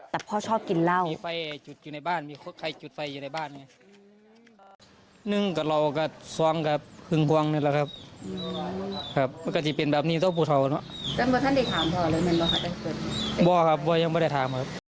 แต่พ่อชอบกินเหล้า